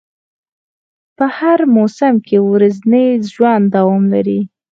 په هر موسم کې ورځنی ژوند دوام لري